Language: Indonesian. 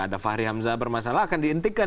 ada fahri hamzah bermasalah akan dihentikan